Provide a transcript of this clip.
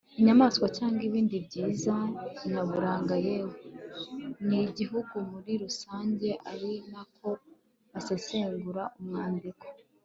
inyamaswa cyangwa ibindi byiza nyaburanga yewe n'igihugu muri rusange ari nako asesengura umwandiko